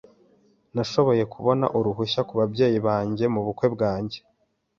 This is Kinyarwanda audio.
Nashoboye kubona uruhushya kubabyeyi banjye mubukwe bwanjye